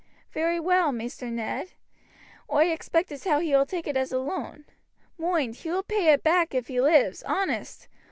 "Very well, Maister Ned. Oi expect as how he will take it as a loan. Moind, he will pay it hack if he lives, honest.